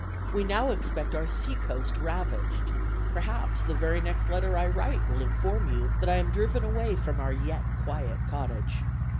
We now expect our seacoast ravaged; perhaps the very next letter I write will inform you that I am driven away from our yet quiet cottage.